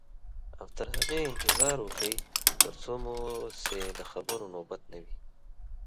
او تر هغې انتظار وکړئ تر څو مو چې د خبرو نوبت نه وي.